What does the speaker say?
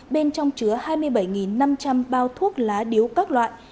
bên trong chứa hai mươi bảy năm trăm linh bao thuốc lá điếu các loại